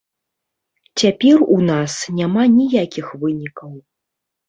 Цяпер у нас няма ніякіх вынікаў.